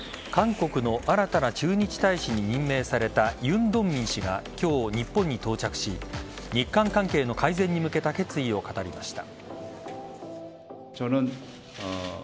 韓国の新たな駐日大使に任命されたユン・ドンミン氏が今日、日本に到着し日韓関係の改善に向けた決意を語りました。